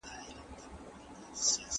موږ د اوږده اتڼ لپاره ډوډۍ راوړې وه.